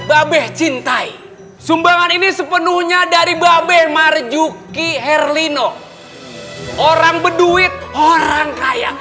babeh cintai sumbangan ini sepenuhnya dari babe marjuki herlino orang beduit orang kaya